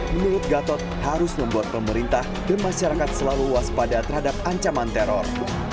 menurut gatot harus membuat pemerintah dan masyarakat selalu waspada terhadap ancaman teror